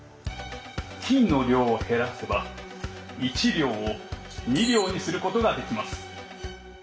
金の量を減らせば１両を２両にすることができます。